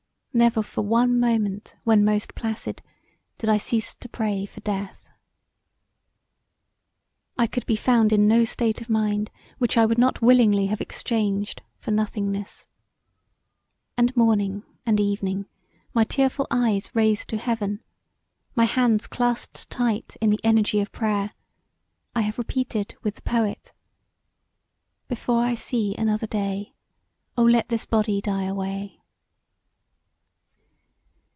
Never for one moment when most placid did I cease to pray for death. I could be found in no state of mind which I would not willingly have exchanged for nothingness. And morning and evening my tearful eyes raised to heaven, my hands clasped tight in the energy of prayer, I have repeated with the poet Before I see another day Oh, let this body die away!